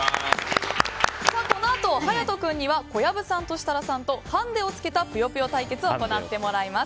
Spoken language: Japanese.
このあと勇人君には小籔さんと設楽さんとハンデをつけた「ぷよぷよ」対決を行ってもらいます。